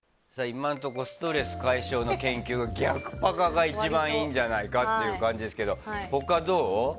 今のところストレス解消の研究は逆パカが一番いいんじゃないかという感じですけど他、どう？